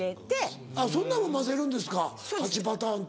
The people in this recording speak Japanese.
あっそんなんも交ぜるんですか８パターンって。